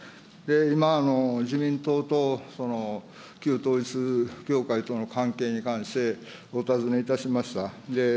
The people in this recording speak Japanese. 今、自民党と旧統一教会との関係に関して、お尋ねいたしました。